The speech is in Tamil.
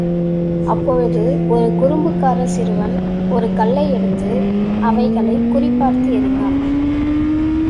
அப்போது ஒரு குறும்புக்காரச் சிறுவன் ஒரு கல்லை எடுத்து அவைகளைக் குறி பார்த்து எறிந்தான்.